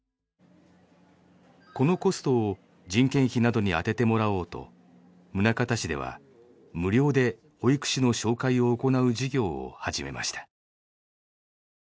このコストを人件費などに充ててもらおうと宗像市では無料で保育士の紹介を行う事業を始めました。